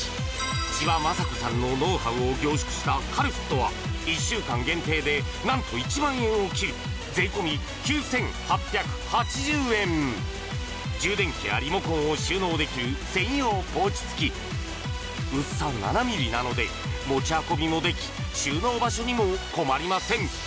千葉真子さんのノウハウを凝縮したカルフットは１週間限定で何と１００００円を切る税込９８８０円充電器やリモコンを収納できる専用ポーチ付き薄さ７ｍｍなので持ち運びもでき収納場所にも困りません